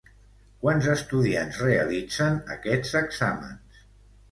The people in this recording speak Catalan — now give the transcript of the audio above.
Quants estudiants realitzen aquests exàmens?